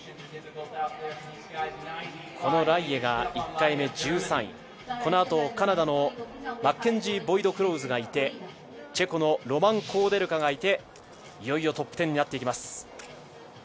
このライエが１回目１３位、このあとカナダのマッケンジー・ボイドクロウズがいてチェコのロマン・コウデルカがいていよいよトップ１０になっていきます。